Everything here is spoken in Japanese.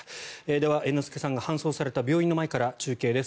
では、猿之助さんが搬送された病院の前から中継です。